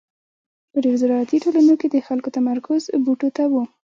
په ډېرو زراعتي ټولنو کې د خلکو تمرکز بوټو ته و.